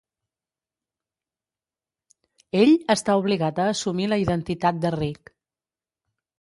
Ell està obligat a assumir la identitat de Reek.